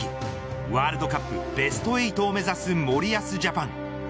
ワールドカップベスト８を目指す森保ジャパン。